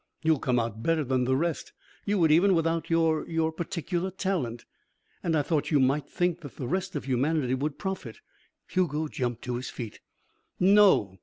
You'll come out better than the rest you would even without your your particular talent. And I thought you might think that the rest of humanity would profit " Hugo jumped to his feet. "No.